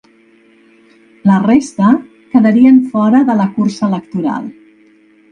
La resta quedarien fora de la cursa electoral.